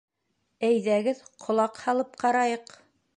Әйҙәгеҙ, ҡолаҡ һалып ҡарайыҡ.